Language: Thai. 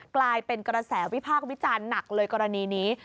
กลายเป็นกระแสวิพากษ์วิจารณ์หนักเลยกรณีนี้